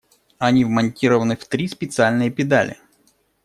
Они вмонтированы в три специальные педали.